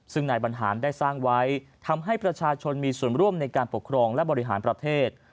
ซึ่งนายบรรหารได้สร้างไว้ทำให้ประชาชนมีส่วนร่วมในการปกครองและบริหารประเทศ